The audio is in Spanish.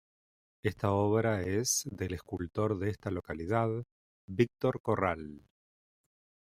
Esta obra es del escultor de esta localidad, Victor Corral.